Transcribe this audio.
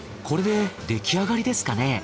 これで出来上がりですかね？